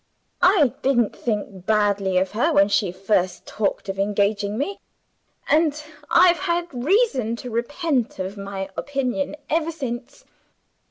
I didn't think badly of her when she first talked of engaging me; and I've had reason to repent of my opinion ever since.